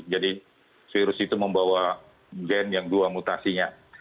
jadi virus itu membawa gen yang dua mutasinya